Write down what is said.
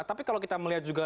tapi kalau kita melihat juga